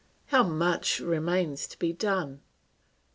How much remains to be done!